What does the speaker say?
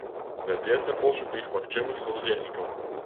Вядзецца пошук іх магчымых саўдзельнікаў.